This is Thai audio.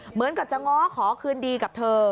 เหมือนกับจะง้อขอคืนดีกับเธอ